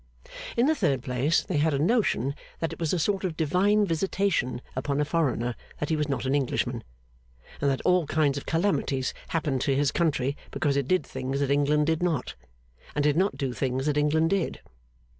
In the third place, they had a notion that it was a sort of Divine visitation upon a foreigner that he was not an Englishman, and that all kinds of calamities happened to his country because it did things that England did not, and did not do things that England did.